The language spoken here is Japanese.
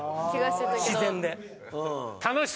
自然で。